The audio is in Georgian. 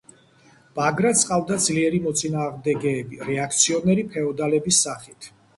ბაგრატს ჰყავდა ძლიერი მოწინააღმდეგეები რეაქციონერი ფეოდალების სახით.